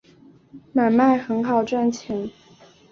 买卖很好赚钱